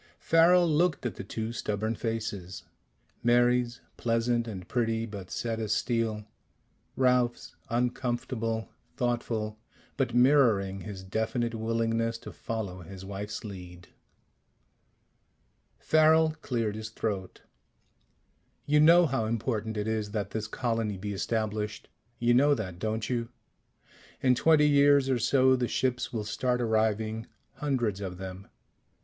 Farrel looked at the two stubborn faces: Mary's, pleasant and pretty, but set as steel; Ralph's, uncomfortable, thoughtful, but mirroring his definite willingness to follow his wife's lead. Farrel cleared his throat. "You know how important it is that this colony be established? You know that, don't you? In twenty years or so the ships will start arriving. Hundreds of them.